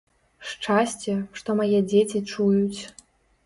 Шчасце, што мае дзеці чуюць.